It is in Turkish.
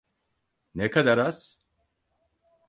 Ne kadar az?